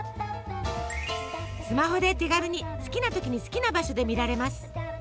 スマホで手軽に好きな時に好きな場所で見られます。